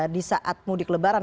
di saat mudik lebaran